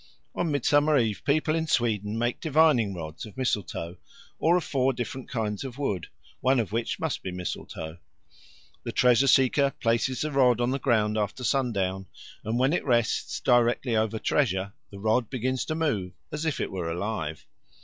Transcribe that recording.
On Midsummer Eve people in Sweden make divining rods of mistletoe, or of four different kinds of wood one of which must be mistletoe. The treasure seeker places the rod on the ground after sundown, and when it rests directly over treasure, the rod begins to move as if it were alive.